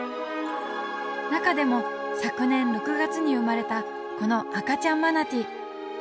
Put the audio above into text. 中でも昨年６月に生まれたこの赤ちゃんマナティー。